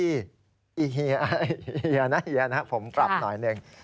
อีเฮียนะผมกลับหน่อยนึง